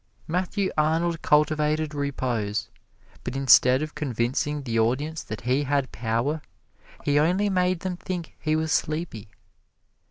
Matthew Arnold cultivated repose, but instead of convincing the audience that he had power, he only made them think he was sleepy.